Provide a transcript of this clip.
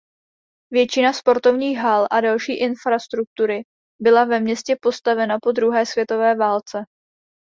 Většina sportovních hal a další infrastruktury byla ve městě postavena po druhé světové válce.